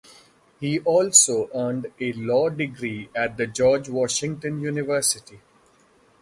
He also earned a law degree at the George Washington University.